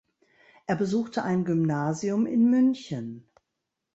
Er besuchte ein Gymnasium in München.